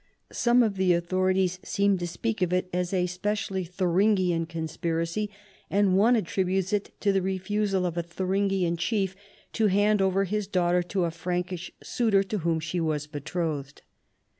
Some of tlie authorities seem to speak of it as a specially Thu 176 CHARLEMAGNE. ringian conspiracy, and one attributes it to the refusal of a Tburingian chief to hand over his daughter to a Frankish suitor to whom she was betrothed.